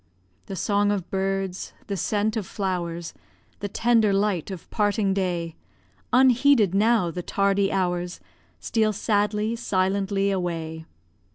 The song of birds, the scent of flowers, The tender light of parting day Unheeded now the tardy hours Steal sadly, silently away.